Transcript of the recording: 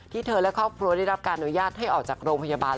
เธอและครอบครัวได้รับการอนุญาตให้ออกจากโรงพยาบาล